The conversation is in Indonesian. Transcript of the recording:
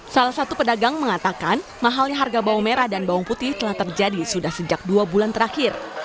salah satu pedagang mengatakan mahalnya harga bawang merah dan bawang putih telah terjadi sudah sejak dua bulan terakhir